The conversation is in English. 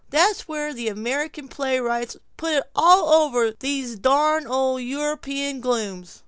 There's where American playwrights put it all over these darn old European glooms."